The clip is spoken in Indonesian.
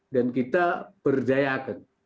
dan kita berdayakan